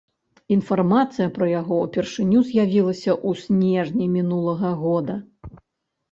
Інфармацыя пра яго ўпершыню з'явілася ў снежні мінулага года.